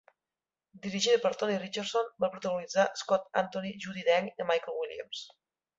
Dirigida per Tony Richardson, va protagonitzar Scott Antony, Judi Dench i Michael Williams.